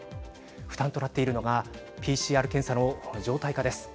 負担となっているのがＰＣＲ検査の常態化です。